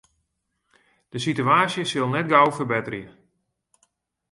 De sitewaasje sil net gau ferbetterje.